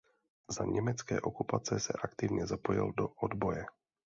Za německé okupace se aktivně zapojil do odboje.